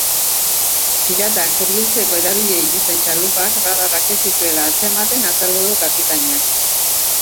Piratak hurbiltzeko erabili dituzten txalupak radarrak ez dituela atzematen azaldu du kapitainak.